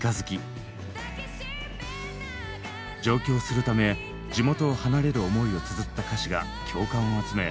上京するため地元を離れる思いをつづった歌詞が共感を集め